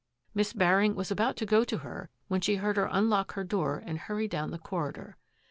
Miss Baring was about to go to her when she heard her unlock her door and hurry down the corridor.